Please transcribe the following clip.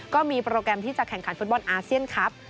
ก็มีโปรแกรมที่จะแข่งขันฟุตบอลอาเซียนครับ